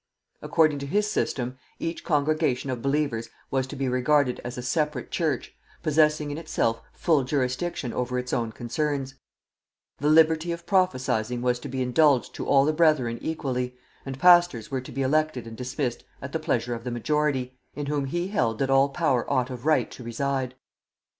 According to his system, each congregation of believers was to be regarded as a separate church, possessing in itself full jurisdiction over its own concerns; the liberty of prophesying was to be indulged to all the brethren equally, and pastors were to be elected and dismissed at the pleasure of the majority, in whom he held that all power ought of right to reside.